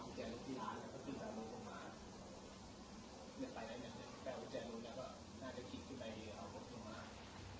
อันนี้อันนี้อันนี้อาจารย์นั้นก็เห็นเนี่ยผู้ชายเขาขี่ล้มมาลุกน่าจะมาอุจจัยลุกธิราชแล้วก็คือจะเอาลุกลงมา